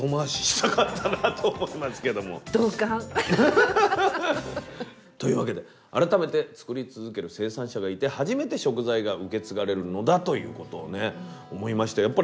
欲を言えば同感！というわけで改めて作り続ける生産者がいて初めて食材が受け継がれるのだということをね思いました。